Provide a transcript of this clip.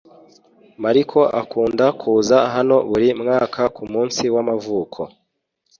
Mariko akunda kuza hano buri mwaka kumunsi w'amavuko